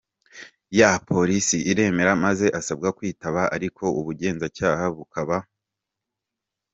ya polisi i Remera, maze asabwa kubwitaba ariko ubugenzacyaha bukaba